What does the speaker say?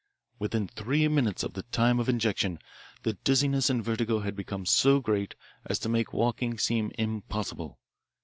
"Within three minutes of the time of injection the dizziness and vertigo had become so great as to make walking seem impossible.